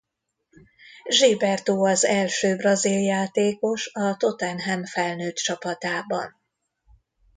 Gilberto az első brazil játékos a Tottenham felnőttcsapatában.